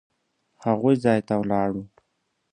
هغوی ځای ته ولاړو.